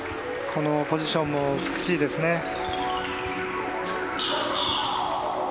このポジションも美しいですね。